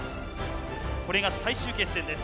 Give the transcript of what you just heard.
これが最終決戦です。